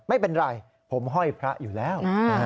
ไม่เป็นไรผมห้อยพระอยู่แล้ว